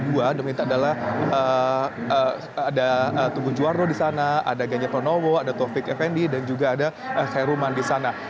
yaitu tunggu juwarto di sana ada ganya tonowo ada taufik effendi dan juga ada heruman di sana